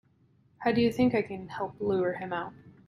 And how do you think I can help lure him out?